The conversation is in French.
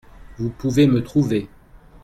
Vous pouvez me trouver.